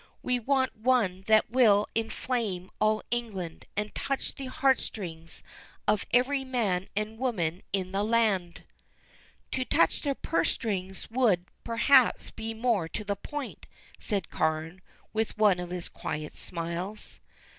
We want one that will inflame all England, and touch the heartstrings of every man and woman in the land." "To touch their purse strings would, perhaps, be more to the point," said Carne, with one of his quiet smiles.